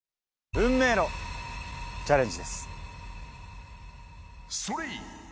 運命のチャレンジです。